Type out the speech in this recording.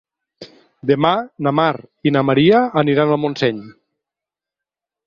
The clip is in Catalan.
Demà na Mar i na Maria aniran a Montseny.